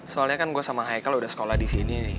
soalnya kan gue sama haikal udah sekolah di sini